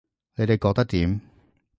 你哋覺得點